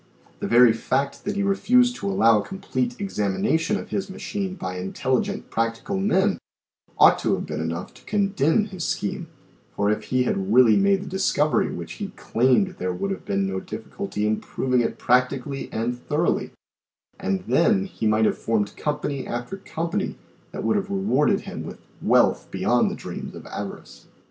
The very fact that he refused to allow a complete examination of his machine by intelligent practical men, ought to have been enough to condemn his scheme, for if he had really made the discovery which he claimed there would have been no difficulty in proving it practically and thoroughly, and then he might have formed company after company that would have re warded him with "wealth beyond the dreams of avarice."